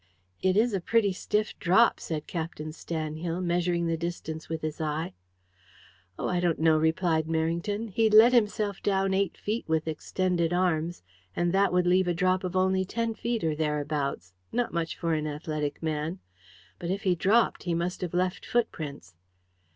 "It is a pretty stiff drop," said Captain Stanhill, measuring the distance with his eye. "Oh, I don't know," replied Merrington. "He'd let himself down eight feet with extended arms, and that would leave a drop of only ten feet or thereabouts not much for an athletic man. But if he dropped he must have left footprints."